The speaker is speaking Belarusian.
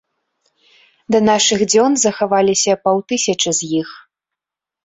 Да нашых дзён захаваліся паўтысячы з іх.